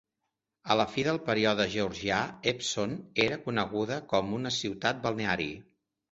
A la fi del període georgià, Epsom era coneguda com una ciutat balneari.